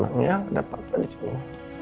tenang ya ada papa disini